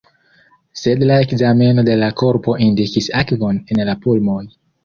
Sed la ekzameno de la korpo indikis akvon en la pulmoj.